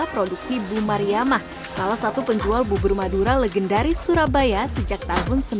produksi bu mariah beh salah satu penjual bubur madura legendaris surabaya sejak tahun